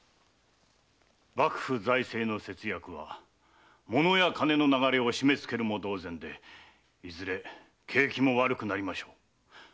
幕府財政の節約は物や金の流れを締め付けるも同然でいずれ景気も悪くなりましょう。